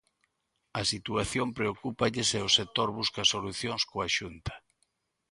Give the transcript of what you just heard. A situación preocúpalles e o sector busca solucións coa Xunta.